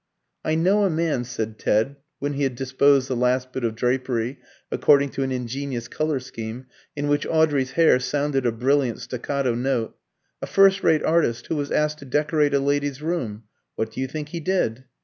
"I know a man," said Ted, when he had disposed the last bit of drapery according to an ingenious colour scheme, in which Audrey's hair sounded a brilliant staccato note "a first rate artist who was asked to decorate a lady's room. What do you think he did?